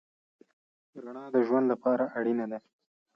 رڼا د ژوند لپاره اړینه ده.